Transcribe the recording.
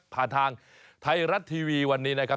ผ่านทางไทรัตทีวีวันนี้นะครับ